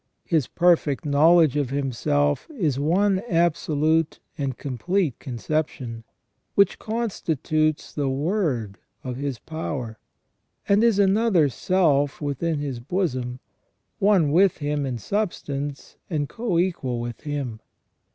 His perfect know ledge of Himself is one absolute and complete conception, which constitutes the Word of His power, and is another self within His bosom — one with Him in substance, and co equal with Him.